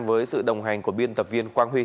với sự đồng hành của biên tập viên quang huy